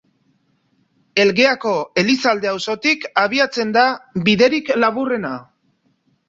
Elgeako Elizalde auzotik abiatzen da biderik laburrena.